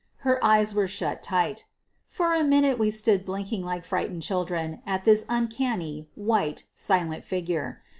Her eyes were shut tight. For a minute we stood blinking like frightened children at this uncanny, white, silent figure.